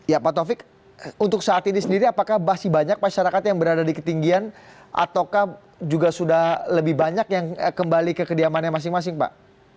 ya pak taufik untuk saat ini sendiri apakah masih banyak masyarakat yang berada di ketinggian ataukah juga sudah lebih banyak yang kembali ke kediamannya masing masing pak